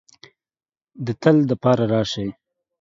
د تل د پاره راشې